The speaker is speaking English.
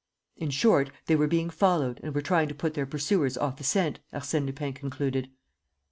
"In short, they were being followed and were trying to put their pursuers off the scent," Arsène Lupin concluded.